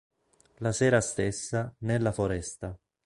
La sera stessa, nella foresta.